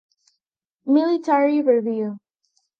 Military Review.